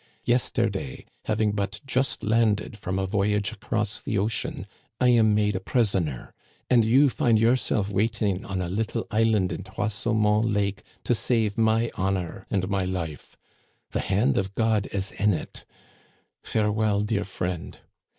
Yes terday, having but just landed from a voyage across the ocean, I am made prisoner ; and you find yourself wait ing on a little island in Trois Saumons Lake to save my honor and my life. The hand of God is in it. Fare well, dear friend.